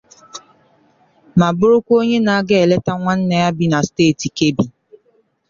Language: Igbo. ma bụrụkwa onye na-aga eleta nwanne ya bi na steeti Kebbi